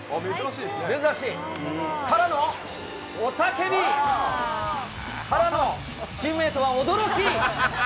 珍しい、からの、雄たけび、からのチームメートは驚き。